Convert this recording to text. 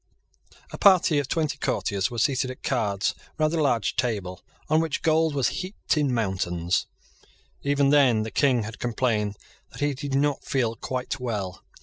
A party of twenty courtiers was seated at cards round a large table on which gold was heaped in mountains. Even then the King had complained that he did not feel quite well.